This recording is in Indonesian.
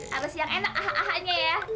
harus yang enak ah ah ah nya ya